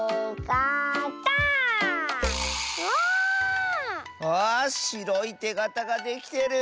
わしろいてがたができてる！